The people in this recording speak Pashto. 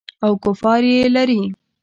او کفار یې لري.